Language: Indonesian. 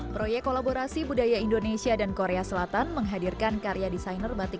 proyek kolaborasi budaya indonesia dan korea selatan menghadirkan karya desainer batik